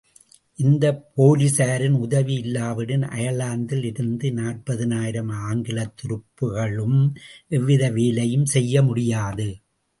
இந்தப் போலிஸாரின் உதவி இல்லாவிடின் அயர்லாந்தில் இருந்த நாற்பதினாயிரம் ஆங்கிலத்துருப்புகளும் எவ்வித வேலையும் செய்யமுடியாது.